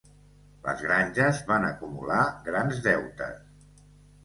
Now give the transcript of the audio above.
Les granges van acumular grans deutes.